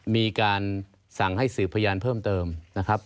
มีการสั่งให้สืบพยานเพิ่มเติมนะครับ